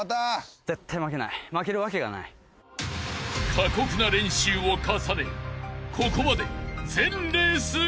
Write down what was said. ［過酷な練習を重ねここまで］